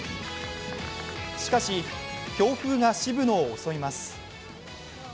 しかし、強風が渋野を襲います。